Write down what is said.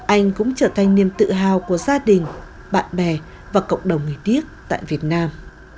anh cũng trở thành niềm tự hào của gia đình bạn bè và cộng đồng người điếc tại việt nam